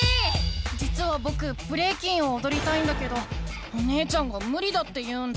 じつはぼくブレイキンをおどりたいんだけどお姉ちゃんがむりだって言うんだ。